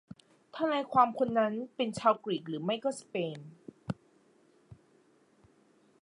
ทนายความคนนั้นเป็นชาวกรีกหรือไม่ก็สเปน